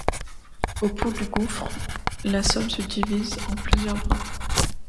Au pont du gouffre, la Somme se divise en plusieurs bras.